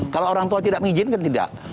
kalau orang tua tidak mengizinkan tidak